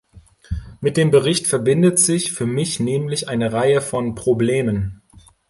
Mit dem Bericht verbindet sich für mich nämlich eine Reihe von Problemen.